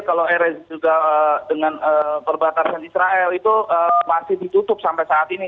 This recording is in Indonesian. kalau air juga dengan perbatasan israel itu masih ditutup sampai saat ini